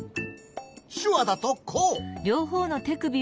しゅわだとこう。